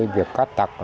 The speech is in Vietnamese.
việc cát tặc